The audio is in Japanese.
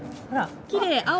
ほらきれい！